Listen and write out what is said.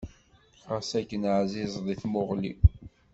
Xas akken ɛzizeḍ i tmuɣli.